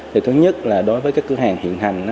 thì thứ nhất là đối với các cửa hàng hiện hành